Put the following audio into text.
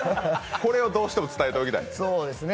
これをどうしても伝えておきたい。